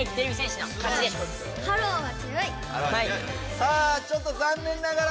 さあちょっとざんねんながら。